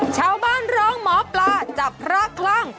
ชาวบ้านร้องหมอปลาจับพระคลั่ง